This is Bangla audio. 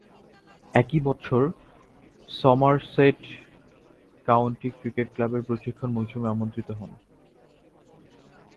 একই বছর সমারসেট কাউন্টি ক্রিকেট ক্লাবের প্রশিক্ষণ মৌসুমে আমন্ত্রিত হন।